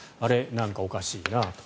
何かおかしいなと。